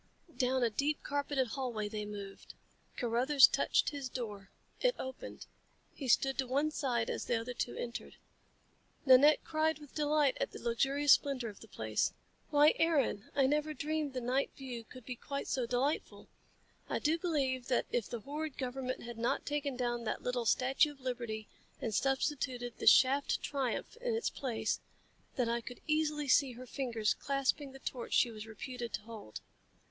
Down a deep carpeted hallway they moved. Carruthers touched his door. It opened. He stood to one side as the other two entered. Nanette cried with delight at the luxurious splendor of the place. "Why, Aaron, I never dreamed the night view could be quite so delightful! I do believe that if the horrid government had not taken down that little Statue of Liberty and substituted the Shaft Triumph in its place, that I could easily see her fingers clasping the torch she was reputed to hold.